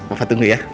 mama tunggu ya